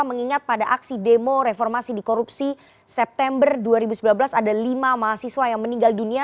mengingat pada aksi demo reformasi di korupsi september dua ribu sembilan belas ada lima mahasiswa yang meninggal dunia